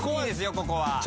ここは。